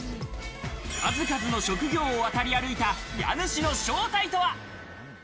数々の職業を渡り歩いた家主の正体とは？